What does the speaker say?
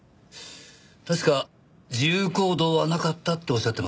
確か自由行動はなかったっておっしゃってましたよね？